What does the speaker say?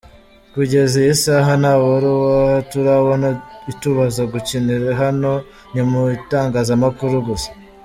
Kugeza iyi saha nta baruwa turabona itubuza gukinira hano, ni mu itangazamakuru gusa.